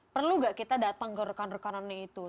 perlu nggak kita datang ke rekan rekanannya itu